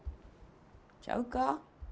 ちゃうか？